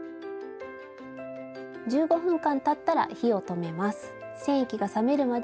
１５分間たったら火を止めます。